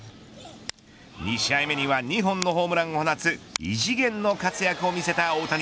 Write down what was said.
２試合目には２本のホームランを放つ異次元の活躍を見せた大谷。